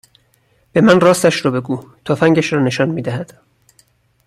به من راستش رو بگو تفنگش را نشان میدهد